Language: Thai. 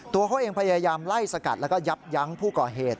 ตัวเขาเองพยายามไล่สกัดแล้วก็ยับยั้งผู้ก่อเหตุ